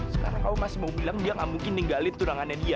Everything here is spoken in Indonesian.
sekarang kamu masih mau bilang dia gak mungkin ninggalin turangannya dia